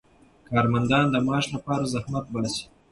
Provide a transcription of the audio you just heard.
کارمندان د معاش لپاره زحمت باسي.